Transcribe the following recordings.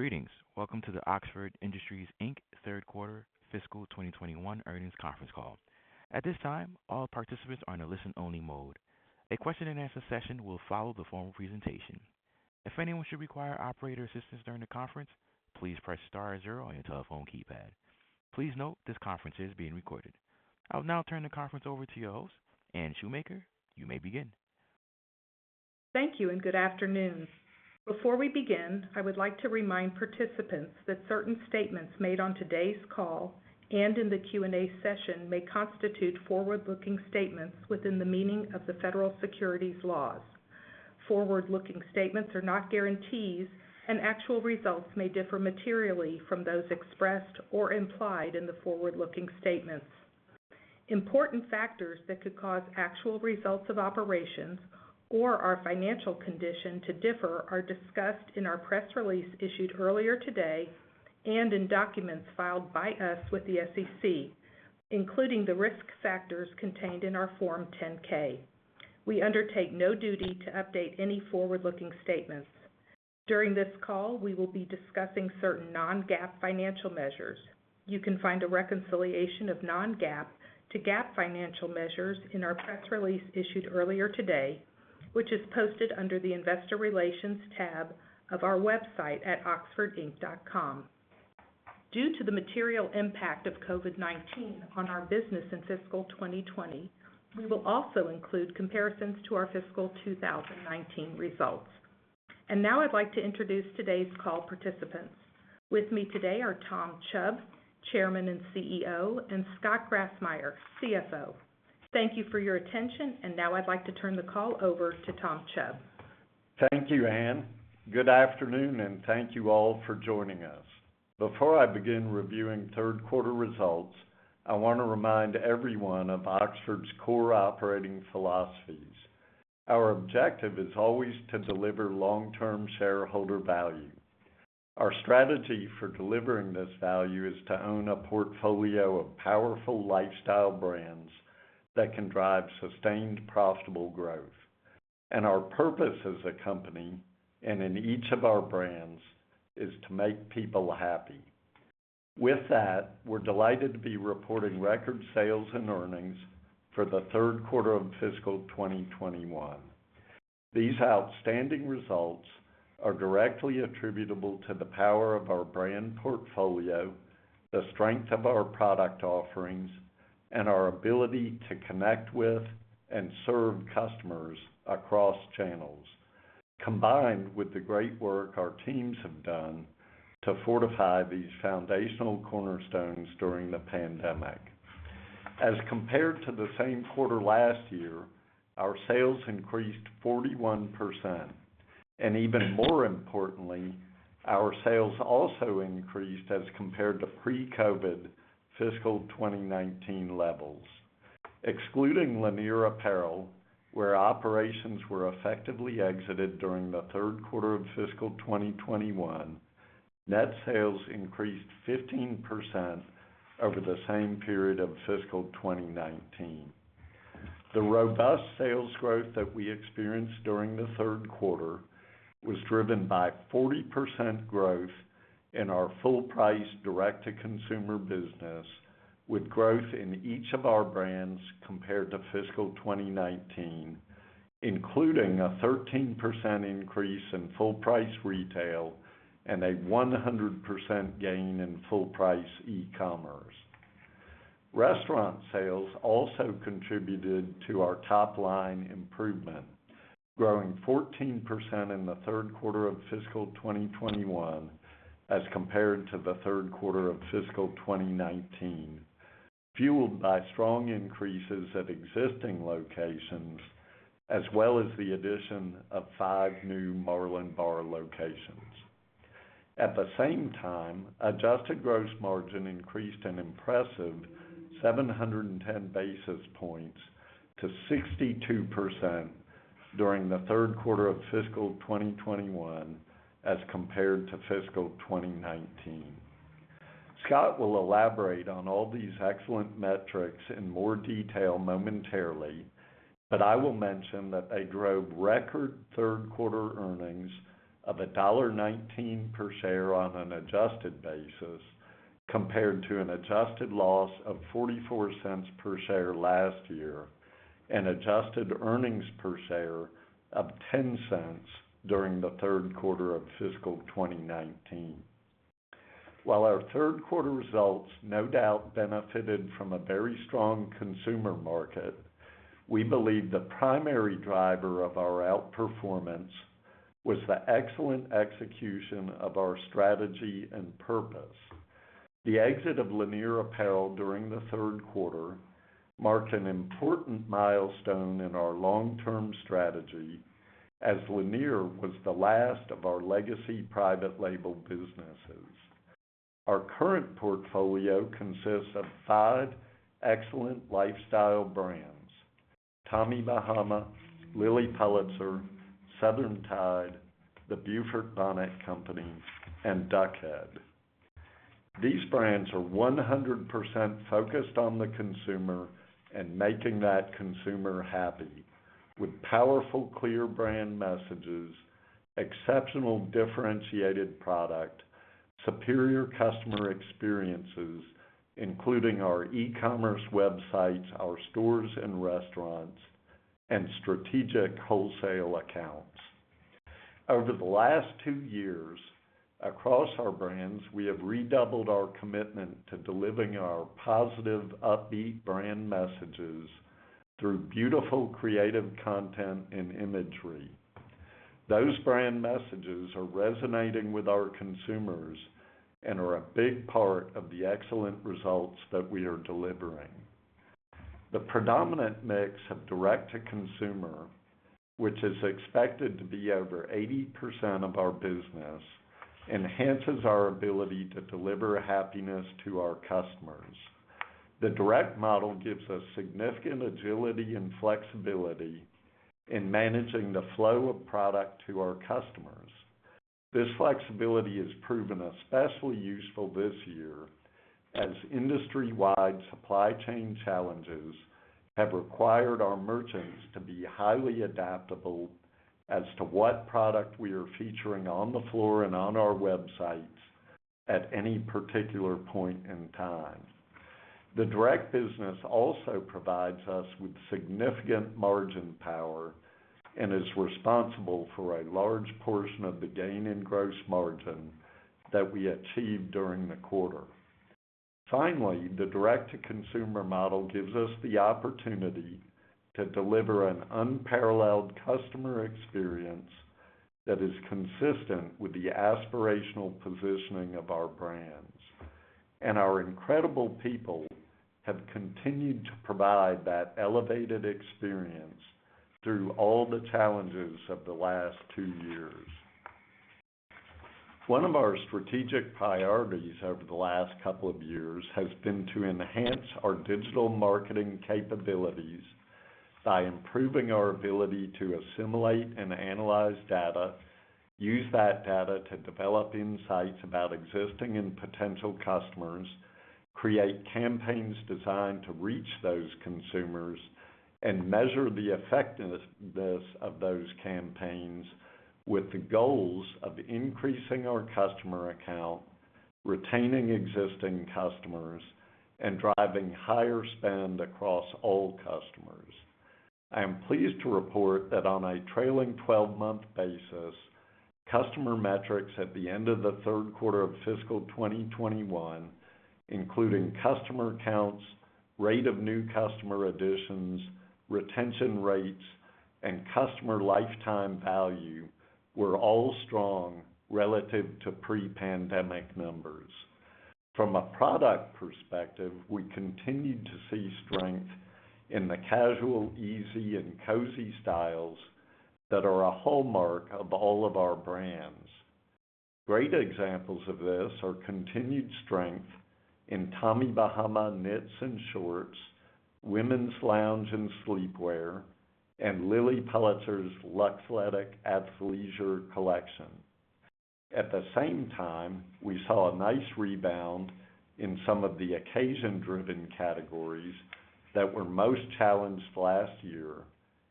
Greetings. Welcome to the Oxford Industries, Inc. third quarter fiscal 2021 earnings conference call. At this time, all participants are in a listen-only mode. A question-and-answer session will follow the formal presentation. If anyone should require operator assistance during the conference, please press star zero on your telephone keypad. Please note this conference is being recorded. I'll now turn the conference over to your host. Anne Shoemaker, you may begin. Thank you and good afternoon. Before we begin, I would like to remind participants that certain statements made on today's call and in the Q&A session may constitute forward-looking statements within the meaning of the federal securities laws. Forward-looking statements are not guarantees, and actual results may differ materially from those expressed or implied in the forward-looking statements. Important factors that could cause actual results of operations or our financial condition to differ are discussed in our press release issued earlier today and in documents filed by us with the SEC, including the risk factors contained in our Form 10-K. We undertake no duty to update any forward-looking statements. During this call, we will be discussing certain non-GAAP financial measures. You can find a reconciliation of non-GAAP to GAAP financial measures in our press release issued earlier today, which is posted under the Investor Relations tab of our website at oxfordinc.com. Due to the material impact of COVID-19 on our business in fiscal 2020, we will also include comparisons to our fiscal 2019 results. Now I'd like to introduce today's call participants. With me today are Tom Chubb, Chairman and CEO, and Scott Grassmyer, CFO. Thank you for your attention. Now I'd like to turn the call over to Tom Chubb. Thank you, Anne. Good afternoon, and thank you all for joining us. Before I begin reviewing third quarter results, I wanna remind everyone of Oxford's core operating philosophies. Our objective is always to deliver long-term shareholder value. Our strategy for delivering this value is to own a portfolio of powerful lifestyle brands that can drive sustained, profitable growth. Our purpose as a company and in each of our brands is to make people happy. With that, we're delighted to be reporting record sales and earnings for the third quarter of fiscal 2021. These outstanding results are directly attributable to the power of our brand portfolio, the strength of our product offerings, and our ability to connect with and serve customers across channels, combined with the great work our teams have done to fortify these foundational cornerstones during the pandemic. As compared to the same quarter last year, our sales increased 41%. Even more importantly, our sales also increased as compared to pre-COVID fiscal 2019 levels. Excluding Lanier Apparel, where operations were effectively exited during the third quarter of fiscal 2021, net sales increased 15% over the same period of fiscal 2019. The robust sales growth that we experienced during the third quarter was driven by 40% growth in our full price direct-to-consumer business, with growth in each of our brands compared to fiscal 2019, including a 13% increase in full price retail and a 100% gain in full price e-commerce. Restaurant sales also contributed to our top line improvement, growing 14% in the third quarter of fiscal 2021 as compared to the third quarter of fiscal 2019, fueled by strong increases at existing locations, as well as the addition of 5 new Marlin Bar locations. At the same time, adjusted gross margin increased an impressive 710 basis points to 62% during the third quarter of fiscal 2021 as compared to fiscal 2019. Scott will elaborate on all these excellent metrics in more detail momentarily, but I will mention that they drove record third quarter earnings of $1.19 per share on an adjusted basis, compared to an adjusted loss of $0.44 per share last year and adjusted earnings per share of $0.10 during the third quarter of fiscal 2019. While our third quarter results no doubt benefited from a very strong consumer market, we believe the primary driver of our outperformance was the excellent execution of our strategy and purpose. The exit of Lanier Apparel during the third quarter marked an important milestone in our long-term strategy as Lanier was the last of our legacy private label businesses. Our current portfolio consists of five excellent lifestyle brands, Tommy Bahama, Lilly Pulitzer, Southern Tide, The Beaufort Bonnet Company, and Duck Head. These brands are 100% focused on the consumer and making that consumer happy with powerful, clear brand messages, exceptional differentiated product, superior customer experiences, including our e-commerce websites, our stores and restaurants, and strategic wholesale accounts. Over the last two years, across our brands, we have redoubled our commitment to delivering our positive, upbeat brand messages through beautiful creative content and imagery. Those brand messages are resonating with our consumers and are a big part of the excellent results that we are delivering. The predominant mix of direct-to-consumer, which is expected to be over 80% of our business, enhances our ability to deliver happiness to our customers. The direct model gives us significant agility and flexibility in managing the flow of product to our customers. This flexibility has proven especially useful this year as industry-wide supply chain challenges have required our merchants to be highly adaptable as to what product we are featuring on the floor and on our websites at any particular point in time. The direct business also provides us with significant margin power and is responsible for a large portion of the gain in gross margin that we achieved during the quarter. Finally, the direct-to-consumer model gives us the opportunity to deliver an unparalleled customer experience that is consistent with the aspirational positioning of our brands. Our incredible people have continued to provide that elevated experience through all the challenges of the last two years. One of our strategic priorities over the last couple of years has been to enhance our digital marketing capabilities by improving our ability to assimilate and analyze data, use that data to develop insights about existing and potential customers, create campaigns designed to reach those consumers, and measure the effectiveness of those campaigns with the goals of increasing our customer account, retaining existing customers, and driving higher spend across all customers. I am pleased to report that on a trailing twelve-month basis, customer metrics at the end of the third quarter of fiscal 2021, including customer counts, rate of new customer additions, retention rates, and customer lifetime value were all strong relative to pre-pandemic numbers. From a product perspective, we continued to see strength in the casual, easy, and cozy styles that are a hallmark of all of our brands. Great examples of this are continued strength in Tommy Bahama knits and shorts, women's lounge and sleepwear, and Lilly Pulitzer's Luxletic. At the same time, we saw a nice rebound in some of the occasion-driven categories that were most challenged last year,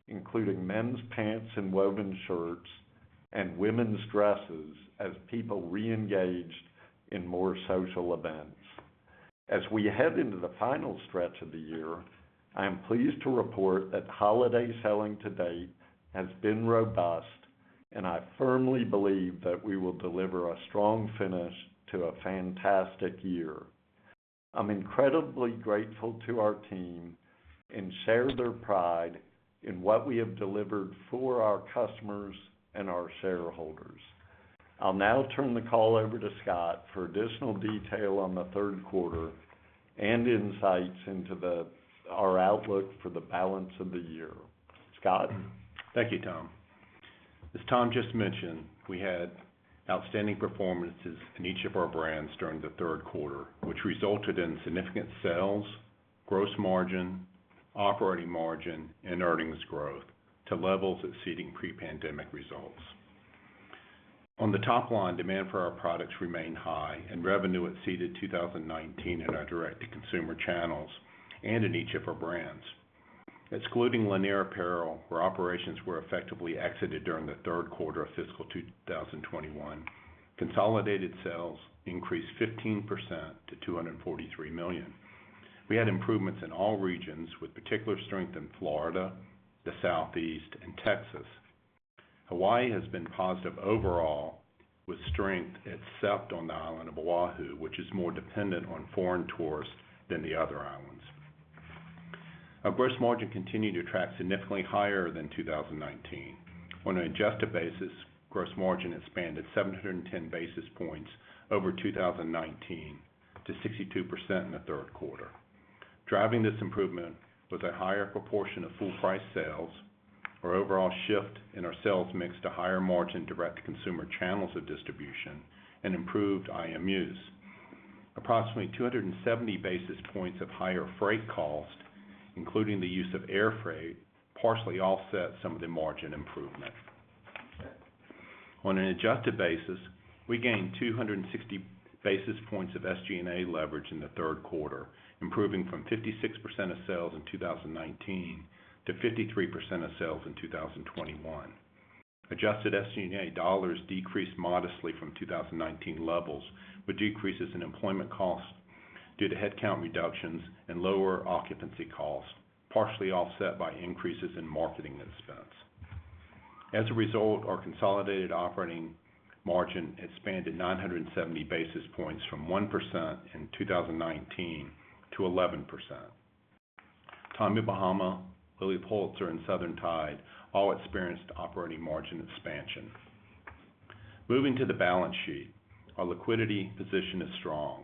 including men's pants and woven shirts and women's dresses, as people re-engaged in more social events. As we head into the final stretch of the year, I am pleased to report that holiday selling to date has been robust, and I firmly believe that we will deliver a strong finish to a fantastic year. I'm incredibly grateful to our team and share their pride in what we have delivered for our customers and our shareholders. I'll now turn the call over to Scott for additional detail on the third quarter and insights into our outlook for the balance of the year. Scott? Thank you, Tom. As Tom just mentioned, we had outstanding performances in each of our brands during the third quarter, which resulted in significant sales, gross margin, operating margin, and earnings growth to levels exceeding pre-pandemic results. On the top line, demand for our products remained high and revenue exceeded 2019 in our direct-to-consumer channels and in each of our brands. Excluding Lanier Apparel, where operations were effectively exited during the third quarter of fiscal 2021, consolidated sales increased 15% to $243 million. We had improvements in all regions, with particular strength in Florida, the Southeast, and Texas. Hawaii has been positive overall, with strength except on the island of Oahu, which is more dependent on foreign tourists than the other islands. Our gross margin continued to track significantly higher than 2019. On an adjusted basis, gross margin expanded 710 basis points over 2019 to 62% in the third quarter. Driving this improvement was a higher proportion of full price sales, our overall shift in our sales mix to higher margin direct-to-consumer channels of distribution and improved IMUs. Approximately 270 basis points of higher freight cost, including the use of air freight, partially offset some of the margin improvement. On an adjusted basis, we gained 260 basis points of SG&A leverage in the third quarter, improving from 56% of sales in 2019 to 53% of sales in 2021. Adjusted SG&A dollars decreased modestly from 2019 levels, with decreases in employment costs due to headcount reductions and lower occupancy costs, partially offset by increases in marketing expense. As a result, our consolidated operating margin expanded 970 basis points from 1% in 2019 to 11%. Tommy Bahama, Lilly Pulitzer, and Southern Tide all experienced operating margin expansion. Moving to the balance sheet. Our liquidity position is strong.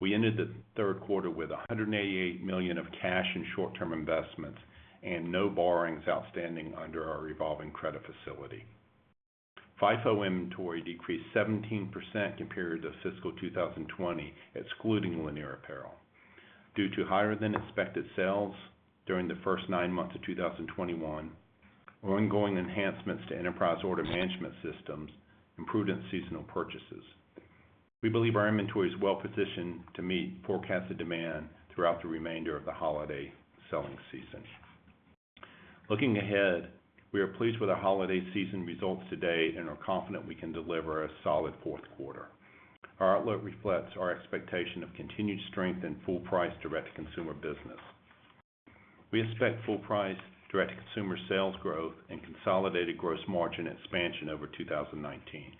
We ended the third quarter with $188 million of cash and short-term investments and no borrowings outstanding under our revolving credit facility. FIFO inventory decreased 17% compared to fiscal 2020, excluding Lanier Apparel. Due to higher than expected sales during the first 9 months of 2021, our ongoing enhancements to enterprise order management systems improved in-season purchases. We believe our inventory is well-positioned to meet forecasted demand throughout the remainder of the holiday selling season. Looking ahead, we are pleased with our holiday season results to date and are confident we can deliver a solid fourth quarter. Our outlook reflects our expectation of continued strength in full price direct-to-consumer business. We expect full price direct-to-consumer sales growth and consolidated gross margin expansion over 2019.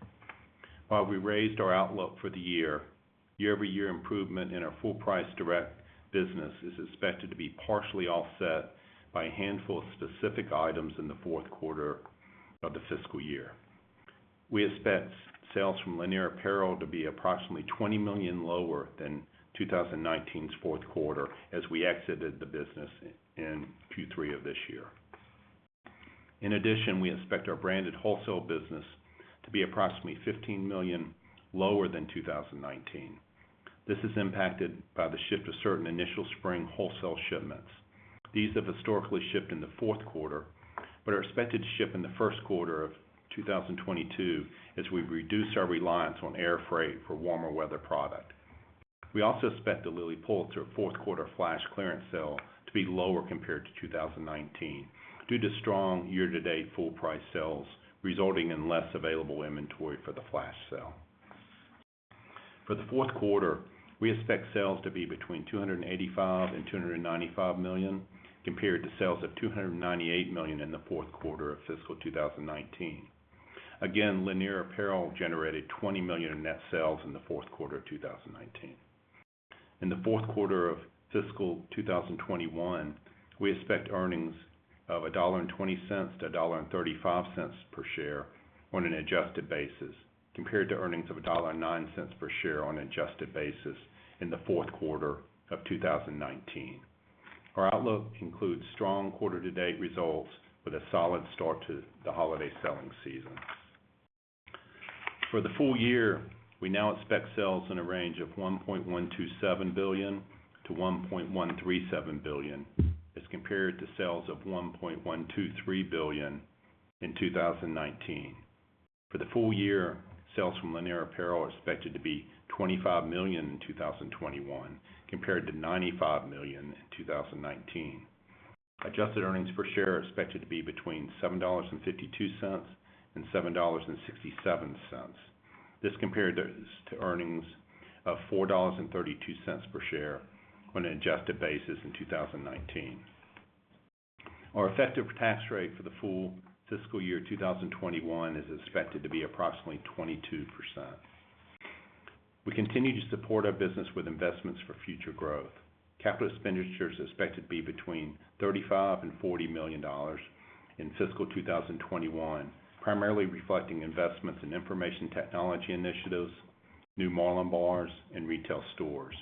While we raised our outlook for the year-over-year improvement in our full price direct business is expected to be partially offset by a handful of specific items in the fourth quarter of the fiscal year. We expect sales from Lanier Apparel to be approximately $20 million lower than 2019's fourth quarter as we exited the business in Q3 of this year. In addition, we expect our branded wholesale business to be approximately $15 million lower than 2019. This is impacted by the shift of certain initial spring wholesale shipments. These have historically shipped in the fourth quarter but are expected to ship in the first quarter of 2022 as we've reduced our reliance on air freight for warmer weather product. We also expect the Lilly Pulitzer fourth quarter flash clearance sale to be lower compared to 2019 due to strong year-to-date full price sales, resulting in less available inventory for the flash sale. For the fourth quarter, we expect sales to be between $285 million and $295 million compared to sales of $298 million in the fourth quarter of fiscal 2019. Again, Lanier Apparel generated $20 million in net sales in the fourth quarter of 2019. In the fourth quarter of fiscal 2021, we expect earnings of $1.20-$1.35 per share on an adjusted basis compared to earnings of $1.09 per share on an adjusted basis in the fourth quarter of 2019. Our outlook includes strong quarter-to-date results with a solid start to the holiday selling season. For the full year, we now expect sales in a range of $1.127 billion-$1.137 billion as compared to sales of $1.123 billion in 2019. For the full year, sales from Lanier Apparel are expected to be $25 million in 2021 compared to $95 million in 2019. Adjusted earnings per share are expected to be between $7.52 and $7.67. This compares to earnings of $4.32 per share on an adjusted basis in 2019. Our effective tax rate for the full fiscal year 2021 is expected to be approximately 22%. We continue to support our business with investments for future growth. Capital expenditures are expected to be between $35 and $40 million in fiscal 2021, primarily reflecting investments in information technology initiatives, new Marlin Bars and retail stores.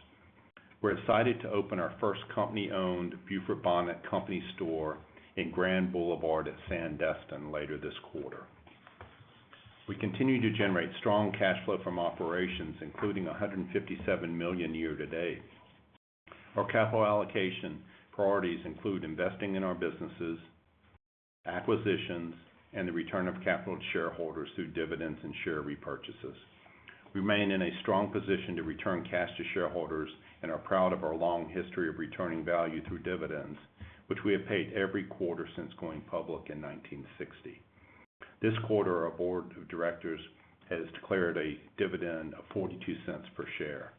We're excited to open our first company-owned Beaufort Bonnet Company store in Grand Boulevard at Sandestin later this quarter. We continue to generate strong cash flow from operations, including $157 million year to date. Our capital allocation priorities include investing in our businesses, acquisitions, and the return of capital to shareholders through dividends and share repurchases. We remain in a strong position to return cash to shareholders and are proud of our long history of returning value through dividends, which we have paid every quarter since going public in 1960. This quarter, our board of directors has declared a dividend of $0.42 per share.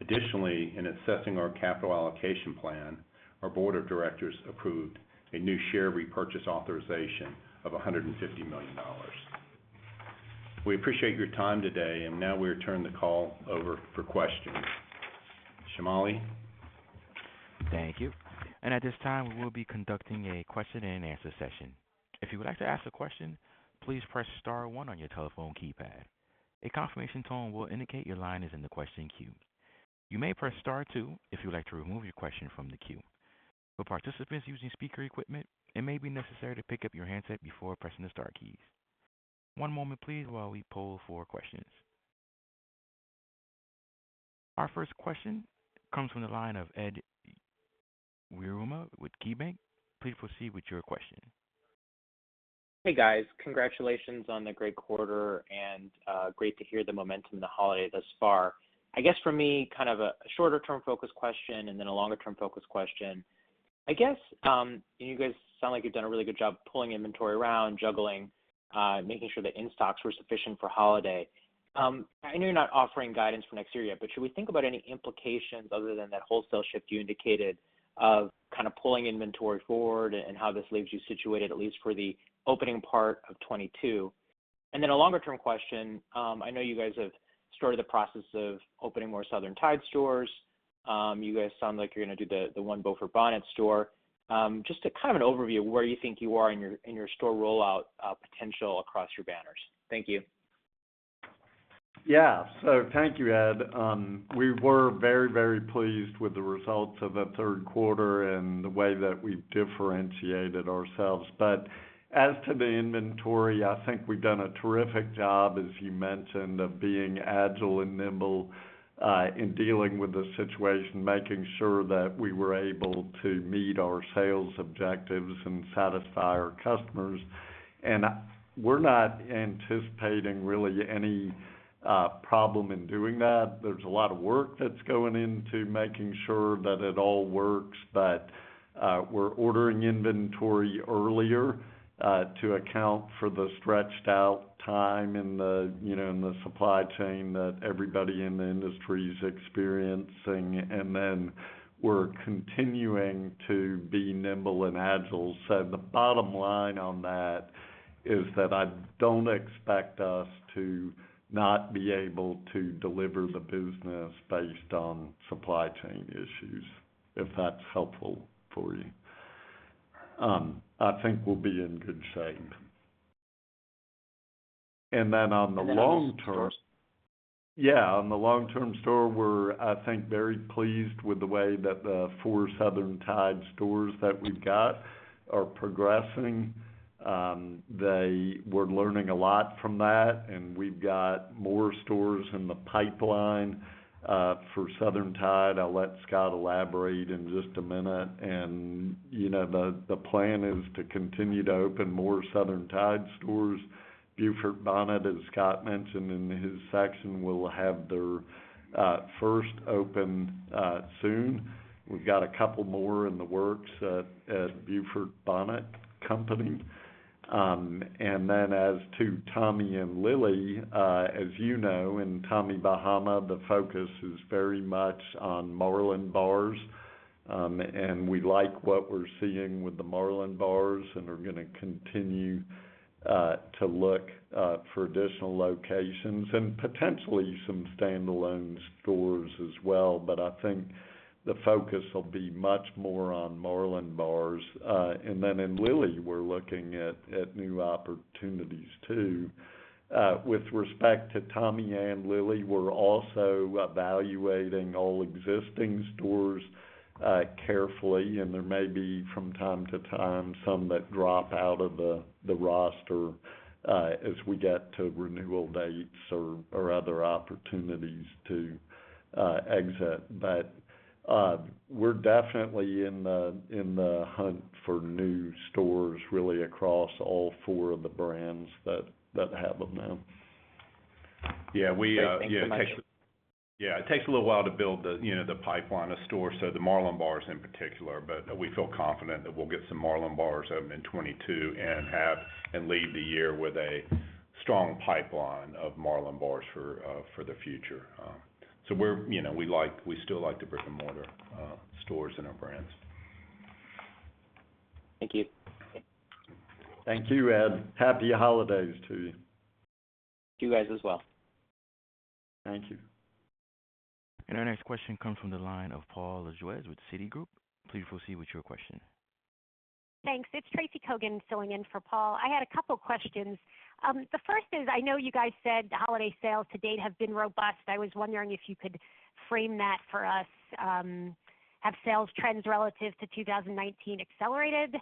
Additionally, in assessing our capital allocation plan, our board of directors approved a new share repurchase authorization of $150 million. We appreciate your time today, and now we return the call over for questions. Shamali? Thank you. At this time, we will be conducting a question and answer session. If you would like to ask a question, please press star one on your telephone keypad. A confirmation tone will indicate your line is in the question queue. You may press star two if you would like to remove your question from the queue. For participants using speaker equipment, it may be necessary to pick up your handset before pressing the star keys. One moment please while we poll for questions. Our first question comes from the line of Ed Yruma with KeyBanc Capital Markets. Please proceed with your question. Hey, guys. Congratulations on the great quarter and great to hear the momentum this holiday thus far. I guess for me, kind of a shorter term focus question and then a longer term focus question. I guess, and you guys sound like you've done a really good job pulling inventory around, juggling, making sure the in-stocks were sufficient for holiday. I know you're not offering guidance for next year yet, but should we think about any implications other than that wholesale shift you indicated of kind of pulling inventory forward and how this leaves you situated at least for the opening part of 2022? Then a longer term question. I know you guys have started the process of opening more Southern Tide stores. You guys sound like you're gonna do the one Beaufort Bonnet store. Just a kind of an overview of where you think you are in your store rollout, potential across your banners? Thank you. Yeah. Thank you, Ed. We were very, very pleased with the results of the third quarter and the way that we've differentiated ourselves. As to the inventory, I think we've done a terrific job, as you mentioned, of being agile and nimble in dealing with the situation, making sure that we were able to meet our sales objectives and satisfy our customers. We're not anticipating really any problem in doing that. There's a lot of work that's going into making sure that it all works. We're ordering inventory earlier to account for the stretched out time in the, you know, in the supply chain that everybody in the industry is experiencing. We're continuing to be nimble and agile. The bottom line on that is that I don't expect us to not be able to deliver the business based on supply chain issues, if that's helpful for you. I think we'll be in good shape. on stores. Yeah. On the long-term store, we're, I think, very pleased with the way that the 4 Southern Tide stores that we've got are progressing. We're learning a lot from that, and we've got more stores in the pipeline for Southern Tide. I'll let Scott elaborate in just a minute. You know, the plan is to continue to open more Southern Tide stores. Beaufort Bonnet, as Scott mentioned in his section, will have their first open soon. We've got a couple more in the works at Beaufort Bonnet Company. Then as to Tommy and Lilly, as you know, in Tommy Bahama, the focus is very much on Marlin Bars. We like what we're seeing with the Marlin Bars and are gonna continue to look for additional locations and potentially some standalone stores as well. I think the focus will be much more on Marlin Bars. Then in Lilly, we're looking at new opportunities too. With respect to Tommy and Lilly, we're also evaluating all existing stores carefully, and there may be from time to time some that drop out of the roster as we get to renewal dates or other opportunities to exit. We're definitely in the hunt for new stores really across all four of the brands that have them now. Great. Thanks so much. It takes a little while to build the, you know, the pipeline of stores, so the Marlin Bars in particular. We feel confident that we'll get some Marlin Bars open in 2022 and leave the year with a strong pipeline of Marlin Bars for the future. We, you know, still like the brick-and-mortar stores and our brands. Thank you. Thank you, Ed. Happy holidays to you. To you guys as well. Thank you. Our next question comes from the line of Paul Lejuez with Citigroup. Please proceed with your question. Thanks. It's Tracy Kogan filling in for Paul. I had a couple questions. The first is, I know you guys said the holiday sales to date have been robust. I was wondering if you could frame that for us. Have sales trends relative to 2019 accelerated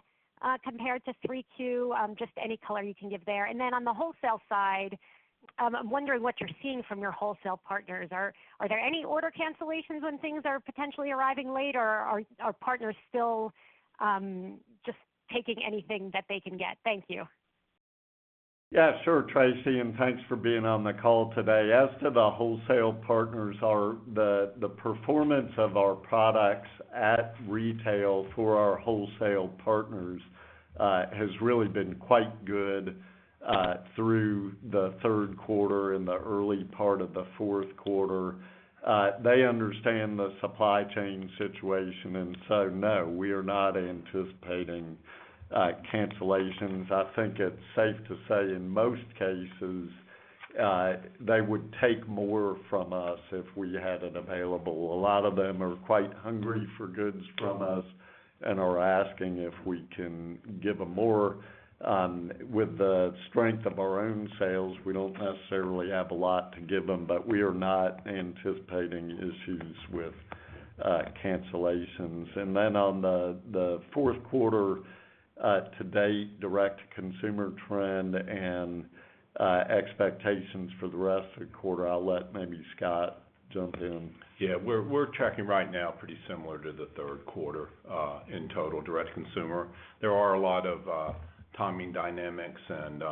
compared to 2022? Just any color you can give there. Then on the wholesale side, I'm wondering what you're seeing from your wholesale partners. Are there any order cancellations when things are potentially arriving late, or are partners still just taking anything that they can get? Thank you. Yeah, sure, Tracy, and thanks for being on the call today. As to the wholesale partners, the performance of our products at retail for our wholesale partners has really been quite good through the third quarter and the early part of the fourth quarter. They understand the supply chain situation and so no, we are not anticipating cancellations. I think it's safe to say in most cases they would take more from us if we had it available. A lot of them are quite hungry for goods from us and are asking if we can give them more. With the strength of our own sales, we don't necessarily have a lot to give them, but we are not anticipating issues with cancellations. On the fourth quarter to date direct-to-consumer trend and expectations for the rest of the quarter, I'll let maybe Scott jump in. Yeah. We're tracking right now pretty similar to the third quarter in total direct-to-consumer. There are a lot of timing dynamics and,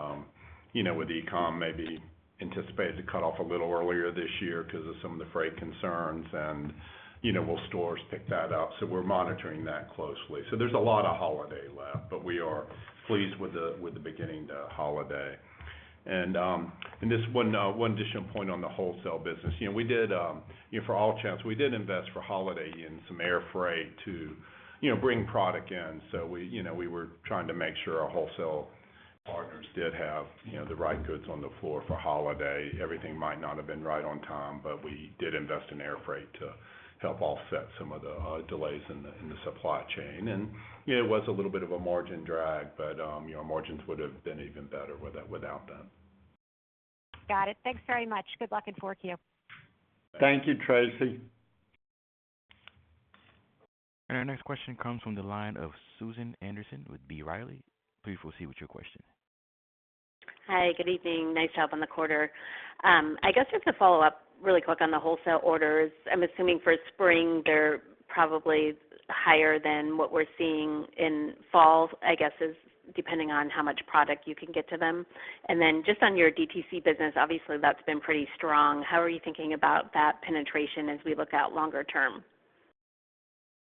you know, with e-com maybe anticipate to cut off a little earlier this year 'cause of some of the freight concerns and, you know, will stores pick that up? We're monitoring that closely. There's a lot of holiday left, but we are pleased with the beginning to holiday. Just one additional point on the wholesale business. You know, we did, you know, for all channels, we did invest for holiday in some air freight to, you know, bring product in. We, you know, we were trying to make sure our wholesale partners did have, you know, the right goods on the floor for holiday. Everything might not have been right on time, but we did invest in air freight to help offset some of the delays in the supply chain. It was a little bit of a margin drag, but you know, margins would have been even better without them. Got it. Thanks very much. Good luck in Q4. Thank you, Tracy. Our next question comes from the line of Susan Anderson with B. Riley. Please proceed with your question. Hi. Good evening. Nice job on the quarter. I guess just to follow up really quick on the wholesale orders. I'm assuming for spring, they're probably higher than what we're seeing in fall, I guess, depending on how much product you can get to them. Just on your DTC business, obviously, that's been pretty strong. How are you thinking about that penetration as we look out longer term?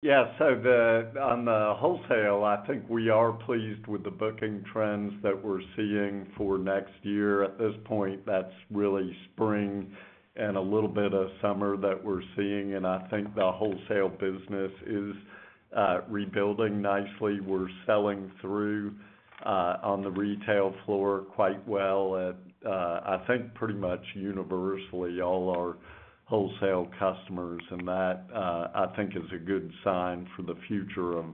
On the wholesale, I think we are pleased with the booking trends that we're seeing for next year. At this point, that's really spring and a little bit of summer that we're seeing, and I think the wholesale business is rebuilding nicely. We're selling through on the retail floor quite well at, I think, pretty much universally all our wholesale customers, and that, I think, is a good sign for the future of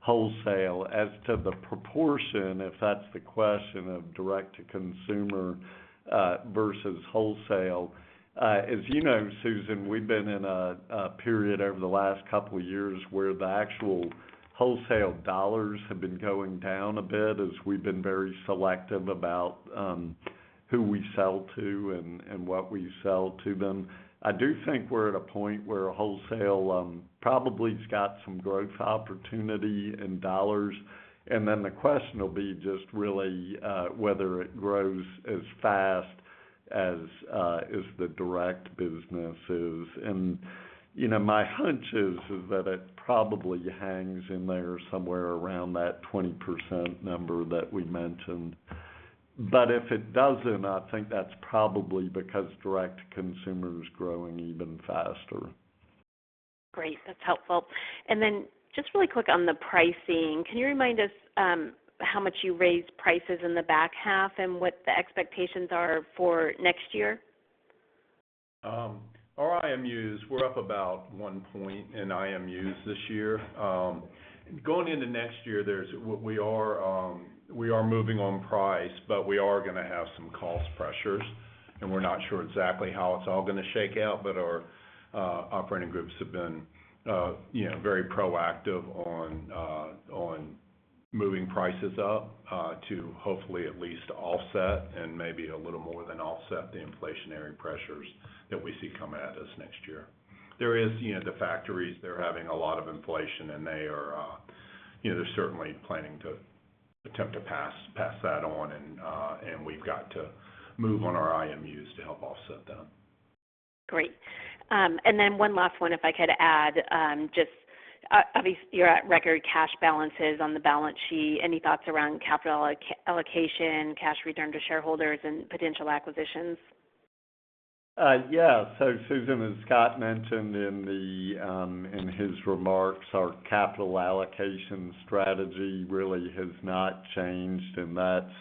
wholesale. As to the proportion, if that's the question of direct-to-consumer versus wholesale. As you know, Susan, we've been in a period over the last couple of years where the actual wholesale dollars have been going down a bit as we've been very selective about who we sell to and what we sell to them. I do think we're at a point where wholesale probably has got some growth opportunity in dollars. Then the question will be just really whether it grows as fast as the direct business is. You know, my hunch is that it probably hangs in there somewhere around that 20% number that we mentioned. If it doesn't, I think that's probably because direct-to-consumer is growing even faster. Great. That's helpful. Just really quick on the pricing. Can you remind us, how much you raised prices in the back half and what the expectations are for next year? Our IMUs, we're up about 1 point in IMUs this year. Going into next year, we are moving on price, but we are gonna have some cost pressures, and we're not sure exactly how it's all gonna shake out. Our operating groups have been, you know, very proactive on moving prices up to hopefully at least offset and maybe a little more than offset the inflationary pressures that we see come at us next year. There is, you know, the factories, they're having a lot of inflation, and they are, you know, they're certainly planning to attempt to pass that on. We've got to move on our IMUs to help offset that. Great. One last one, if I could add, just obviously you're at record cash balances on the balance sheet. Any thoughts around capital allocation, cash return to shareholders and potential acquisitions? Susan, as Scott mentioned in his remarks, our capital allocation strategy really has not changed, and that's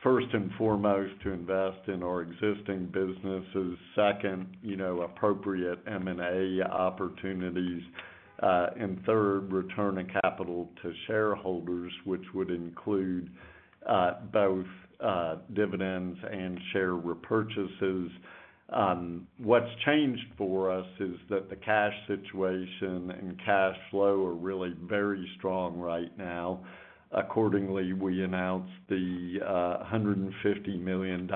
first and foremost to invest in our existing businesses. Second, you know, appropriate M&A opportunities. And third, return of capital to shareholders, which would include both dividends and share repurchases. What's changed for us is that the cash situation and cash flow are really very strong right now. Accordingly, we announced the $150 million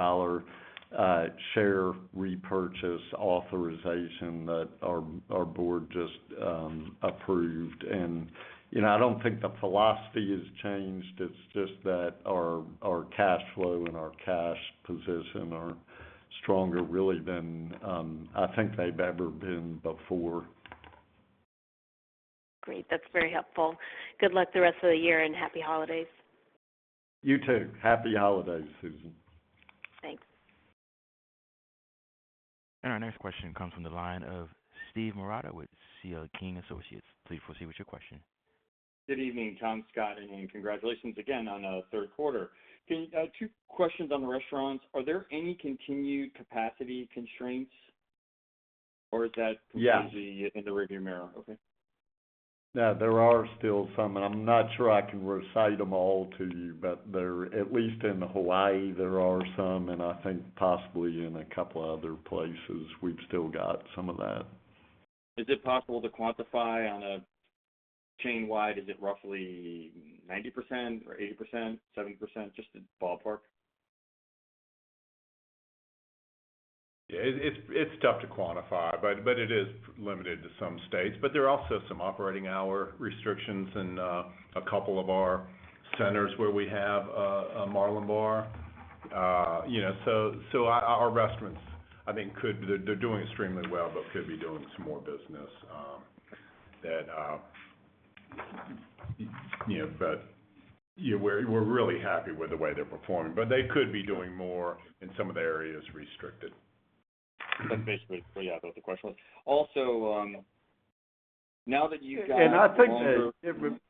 share repurchase authorization that our board just approved. You know, I don't think the philosophy has changed. It's just that our cash flow and our cash position are stronger really than I think they've ever been before. Great. That's very helpful. Good luck the rest of the year and happy holidays. You too. Happy holidays, Susan. Thanks. Our next question comes from the line of Steve Marotta with C.L. King & Associates. Please proceed with your question. Good evening, Tom, Scott, and congratulations again on third quarter. Two questions on the restaurants. Are there any continued capacity constraints or is that- Yeah Completely in the rearview mirror? Okay. Yeah, there are still some, and I'm not sure I can recite them all to you, but at least in Hawaii, there are some, and I think possibly in a couple other places, we've still got some of that. Is it possible to quantify on a chain-wide? Is it roughly 90% or 80%, 70%? Just a ballpark. Yeah, it's tough to quantify, but it is limited to some states, but there are also some operating hour restrictions in a couple of our centers where we have a Marlin Bar. You know, so our restaurants, I think they're doing extremely well but could be doing some more business, that you know, but yeah, we're really happy with the way they're performing. They could be doing more in some of the areas restricted. That's basically, yeah, that was the question. Also, now that you've got I think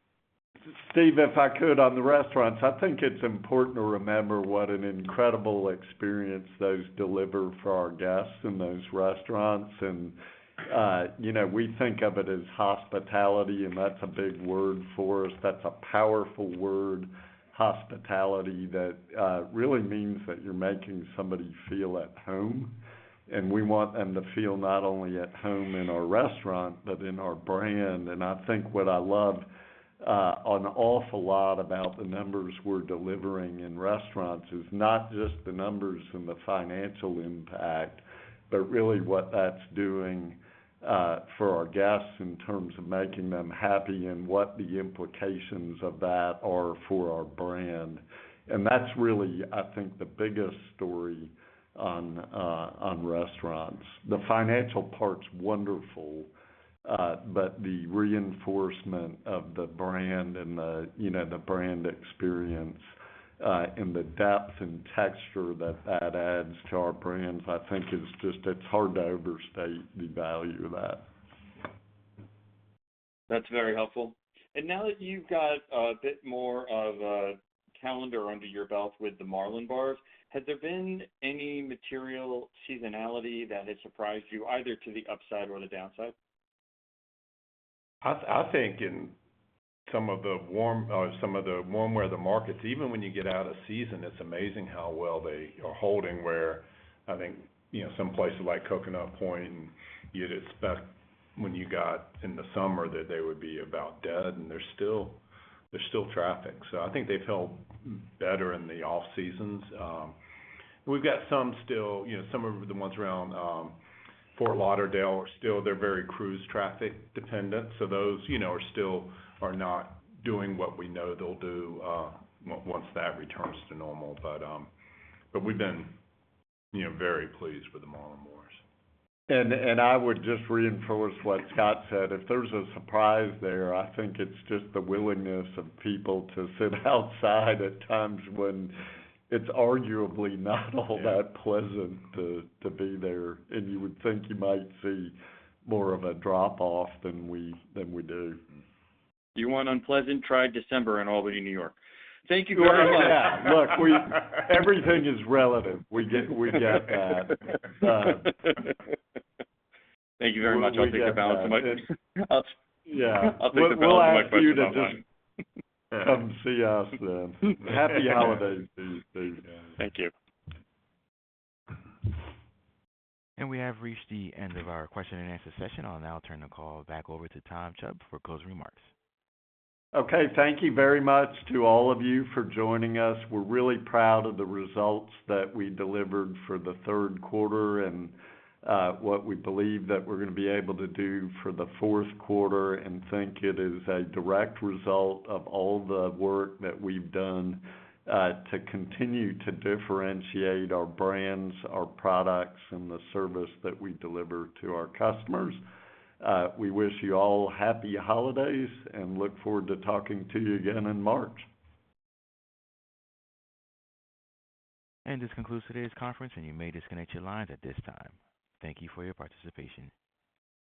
Steve, if I could, on the restaurants, I think it's important to remember what an incredible experience those deliver for our guests in those restaurants. You know, we think of it as hospitality, and that's a big word for us. That's a powerful word, hospitality, that really means that you're making somebody feel at home. We want them to feel not only at home in our restaurant but in our brand. I think what I love an awful lot about the numbers we're delivering in restaurants is not just the numbers and the financial impact, but really what that's doing for our guests in terms of making them happy and what the implications of that are for our brand. That's really, I think, the biggest story on restaurants. The financial part's wonderful, but the reinforcement of the brand and the, you know, the brand experience, and the depth and texture that adds to our brands, I think is just. It's hard to overstate the value of that. That's very helpful. Now that you've got a bit more of a calendar under your belt with the Marlin Bars, has there been any material seasonality that has surprised you either to the upside or the downside? I think in some of the warmer weather markets, even when you get out of season, it's amazing how well they are holding, where I think, you know, some places like Coconut Point, you'd expect when you got in the summer that they would be about dead, and there's still traffic. I think they've held better in the off-seasons. We've got some still, you know, some of the ones around Fort Lauderdale are still, they're very cruise traffic dependent, so those, you know, are not doing what we know they'll do once that returns to normal. We've been, you know, very pleased with the Marlin Bars. I would just reinforce what Scott said. If there's a surprise there, I think it's just the willingness of people to sit outside at times when it's arguably not all that pleasant to be there, and you would think you might see more of a drop-off than we do. You want unpleasant, try December in Albany, New York. Thank you very much. Look, everything is relative. We get. Thank you very much. I'll take the balance of my. Yeah. I'll take the balance of my questions online. We'll ask you to just come see us then. Happy holidays to you, Steve. Thank you. We have reached the end of our question and answer session. I'll now turn the call back over to Tom Chubb for closing remarks. Okay, thank you very much to all of you for joining us. We're really proud of the results that we delivered for the third quarter and what we believe that we're gonna be able to do for the fourth quarter and think it is a direct result of all the work that we've done to continue to differentiate our brands, our products, and the service that we deliver to our customers. We wish you all happy holidays and look forward to talking to you again in March. This concludes today's conference, and you may disconnect your lines at this time. Thank you for your participation.